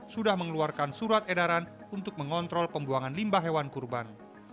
sudah mengeluarkan surat edaran untuk mengontrol pembuangan limbah hewan kurban